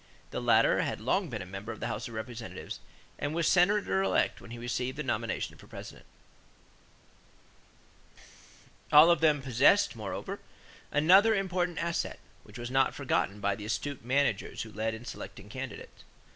The latter had long been a member of the House of Representatives and was Senator elect when he received the nomination for President. All of them possessed, moreover, another important asset, which was not forgotten by the astute managers who led in selecting candidates.